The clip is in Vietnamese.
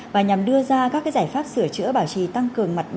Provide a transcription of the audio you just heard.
và nhằm đưa ra các giải pháp sửa chữa bảo trì tăng cường mặt